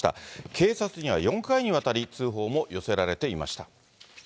警察には４回にわたり、通報も寄せられていました。